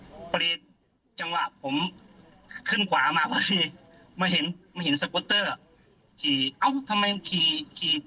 ก็ไม่หลบไม่ลงผ่าน๑๐ร้องในกลางไปกับยังไม่ลงอีก